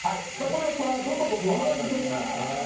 これを「トラッド」と僕は判断しました。